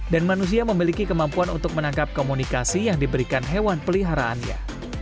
dan manusia memiliki kemampuan untuk menangkap komunikasi yang diberikan hewan peliharaannya